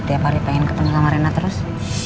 beti apa li pengen ketemu sama rena terus